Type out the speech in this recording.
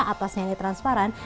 atasnya ini transparan